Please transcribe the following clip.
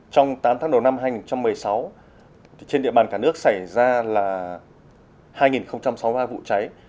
trong tám tháng đầu năm hai nghìn một mươi sáu trên địa bàn cả nước xảy ra là hai sáu mươi ba vụ cháy